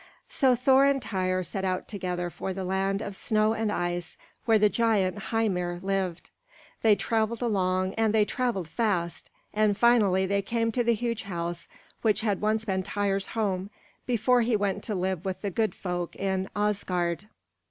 So Thor and Tŷr set out together for the land of snow and ice, where the giant Hymir lived. They traveled long and they traveled fast, and finally they came to the huge house which had once been Tŷr's home, before he went to live with the good folk in Asgard.